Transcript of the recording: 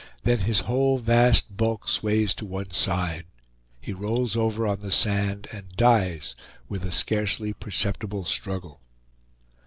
Then his whole vast bulk sways to one side; he rolls over on the sand, and dies with a scarcely perceptible struggle.